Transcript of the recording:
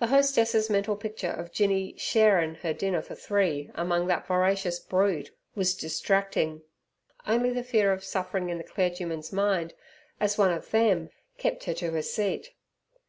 The hostess's mental picture of Jinny "sharin'" her dinner for three among that voracious brood was distracting. Only the fear of suffering in the clergyman's mind as one of "them" kept her to her seat.